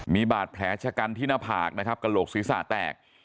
มีบาดแผลชะกันที่หน้าผากนะครับกระโหลกศีรษะแตก